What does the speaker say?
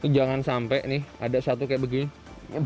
jangan sampai nih ada satu kayak begini